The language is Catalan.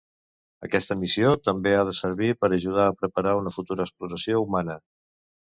Aquesta missió també ha de servir per ajudar a preparar una futura exploració humana.